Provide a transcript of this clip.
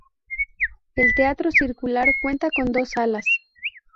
El Teatro Circular cuenta con dos salas.